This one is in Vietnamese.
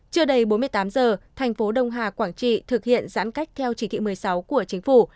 chưa đầy bốn mươi tám giờ thành phố đông hà quảng trị thực hiện giãn cách theo chỉ thị một mươi sáu của chính phủ